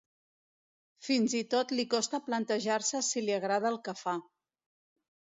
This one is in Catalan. Fins i tot li costa plantejar-se si li agrada el que fa.